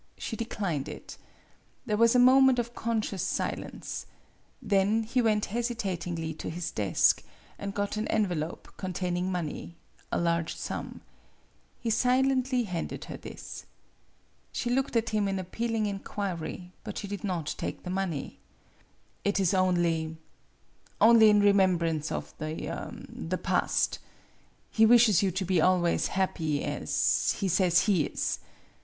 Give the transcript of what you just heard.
She de clined it. There was a moment of conscious silence. Then he went hesitatingly to his desk, and got an envelop containing money a large sum. He silently handed her this. She looked at him in appealing inquiry, but she did not take the money. "It is only only in remembrance of the the past. He wishes you to be always happy as he says he is.